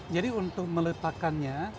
jadi untuk meletakkannya